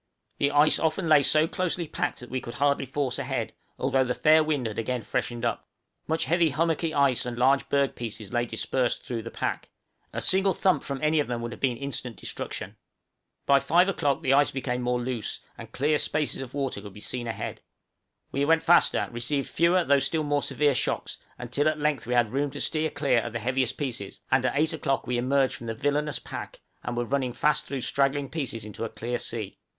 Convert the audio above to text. The ice often lay so closely packed that we could hardly force ahead, although the fair wind had again freshened up. Much heavy hummocky ice and large berg pieces lay dispersed through the pack; a single thump from any of them would have been instant destruction. By five o'clock the ice became more loose, and clear spaces of water could be seen ahead. We went faster, received fewer though still more severe shocks, until at length we had room to steer clear of the heaviest pieces; and at eight o'clock we emerged from the villanous "pack," and were running fast through straggling pieces into a clear sea.